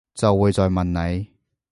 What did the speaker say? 就會再問你